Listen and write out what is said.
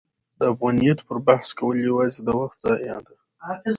د افغانیت پر بحث کول یوازې د وخت ضایع ده.